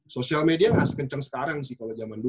sosial media nggak sekencang sekarang sih kalau zaman dulu